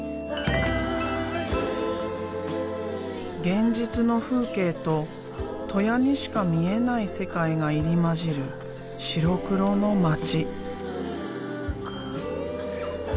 現実の風景と戸舎にしか見えない世界が入り交じる白黒の街。